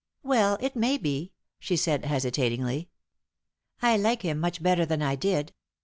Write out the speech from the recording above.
"Well, it may be," she said, hesitatingly. "I like him much better than I did.